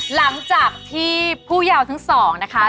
หลังจากที่ผู้ยาวทั้งสองนะคะ